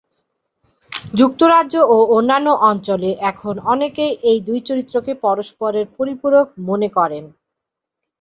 যুক্তরাজ্য ও অন্যান্য অঞ্চলে এখন অনেকেই এই দুই চরিত্রকে পরস্পরের পরিপূরক মনে করেন।